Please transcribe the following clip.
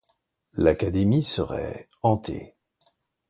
L'Académie serait hantée.